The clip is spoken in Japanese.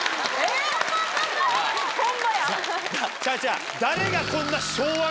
違う違う。